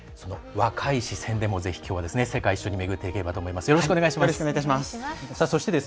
若い視線でもぜひきょうは世界を一緒に巡っていければと思います。